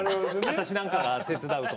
私なんかが手伝うと。